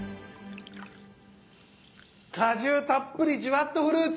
果汁たっぷり「ジュワっとフルーツ」！